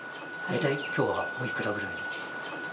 きょうはおいくらぐらいの？